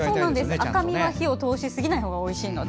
赤身は火を通しすぎないほうがおいしいので。